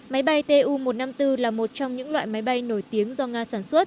máy bay tu một trăm năm mươi bốn là một trong những loại máy bay nổi tiếng do nga